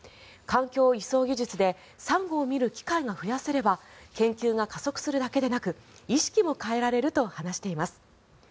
環境移送技術でサンゴを見る機会が増やせれば研究が加速するだけでなく意識も変えられると話しています。